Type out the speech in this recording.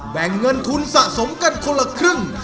แบ่งเงินทุนสะสมกันคนละครึ่ง